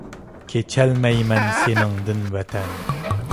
كېچەلمەيمەن سېنىڭدىن ۋەتەن!